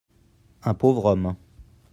un pauvre homme.